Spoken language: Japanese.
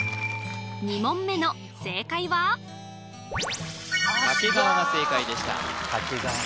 ２問目の正解は掛川が正解でした